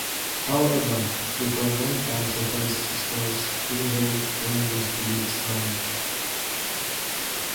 However, "before one can settle scores," he wrote, "one must be strong.